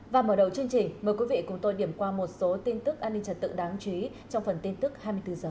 và mở đầu chương trình mời quý vị cùng tôi điểm qua một số tin tức an ninh trật tự đáng chú ý trong phần tin tức hai mươi bốn h